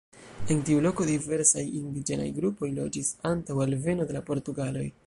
En tiu loko diversaj indiĝenaj grupoj loĝis antaŭ alveno de la portugaloj.